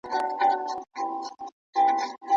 نه یوازي پاچهي رنګ و جمال دی